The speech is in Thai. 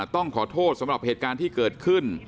ต้องขอโทษสำหรับเหตุการณ์ที่เกิดขึ้น